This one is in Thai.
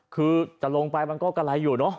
คือจะลงไปมันก็กะไรอยู่เนอะ